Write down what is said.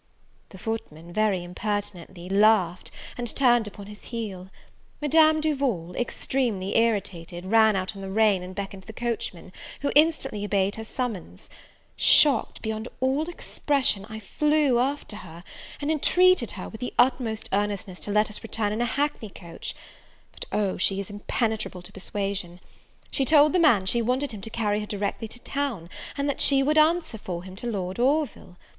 The footman, very impertinently, laughed and turned upon his heel. Madame Duval, extremely irritated, ran out in the rain, and beckoned the coachman, who instantly obeyed her summons. Shocked beyond all expression, I flew after her, and entreated her, with the utmost earnestness, to let us return in a hackney coach: but, oh! she is impenetrable to persuasion! She told the man she wanted him to carry her directly to town, and that she would answer for him to Lord Orville.